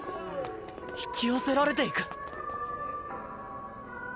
引き寄せられていく。